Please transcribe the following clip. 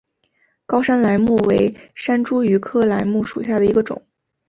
高山梾木为山茱萸科梾木属下的一个种。